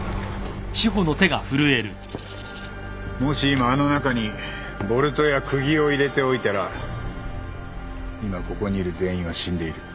もし今あの中にボルトやくぎを入れておいたら今ここにいる全員は死んでいる。